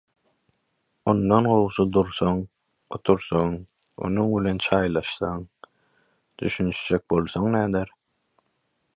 Ondan gowsy dursaň, otursaň, onuň bilen çaýlaşsaň, düşünişjek bolsaň näder?!